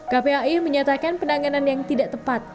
kpai menyatakan penanganan yang tidak tepat